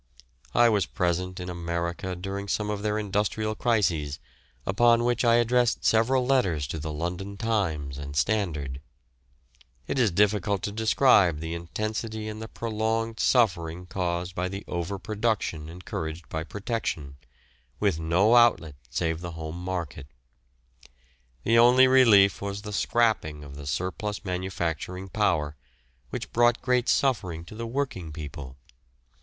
I was present in America during some of their industrial crises, upon which I addressed several letters to the London Times and Standard. It is difficult to describe the intensity and the prolonged suffering caused by the over production encouraged by Protection, with no outlet save the home market. The only relief was the "scrapping" of the surplus manufacturing power, which brought great suffering to the working people.